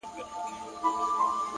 هوډ د ستونزو وزن کموي.